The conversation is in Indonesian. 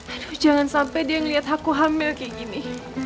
aduh jangan sampai dia ngelihat aku hamil kayak gini